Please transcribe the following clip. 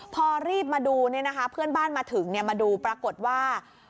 พอรีบมาดูเพื่อนบ้านมาถึงมาดูปรากฏว่า